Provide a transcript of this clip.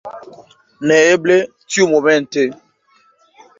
Neeble, tiumomente.